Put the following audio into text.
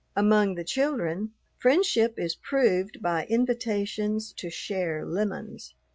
Among the children friendship is proved by invitations to share lemons.